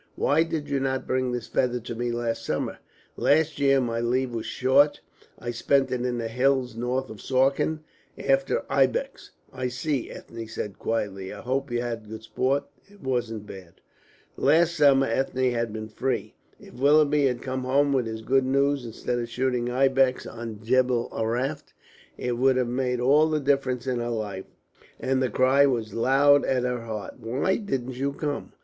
Why did you not bring this feather to me last summer?" "Last year my leave was short. I spent it in the hills north of Suakin after ibex." "I see," said Ethne, quietly; "I hope you had good sport." "It wasn't bad." Last summer Ethne had been free. If Willoughby had come home with his good news instead of shooting ibex on Jebel Araft, it would have made all the difference in her life, and the cry was loud at her heart, "Why didn't you come?"